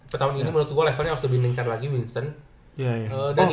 tapi tahun ini menurut gue levelnya harus lebih nengkar lagi winston